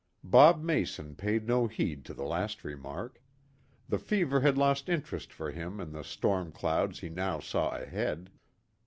Bob Mason paid no heed to the last remark. The fever had lost interest for him in the storm clouds he now saw ahead.